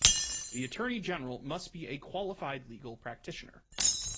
The Attorney-General must be a qualified legal practitioner.